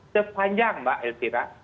sepanjang mbak azira